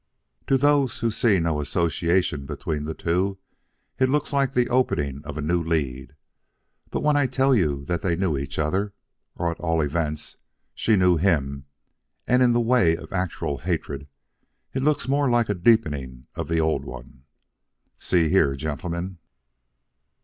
To those who see no association between the two, it looks like the opening of a new lead, but when I tell you that they knew each other, or at all events that she knew him and in the way of actual hatred, it looks more like a deepening of the old one. See here, gentlemen."